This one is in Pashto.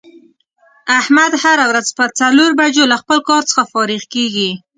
احمد هره روځ په څلور بجو له خپل کار څخه فارغ کېږي.